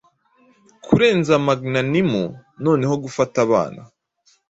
Kurenza magnanimou, noneho gufataabana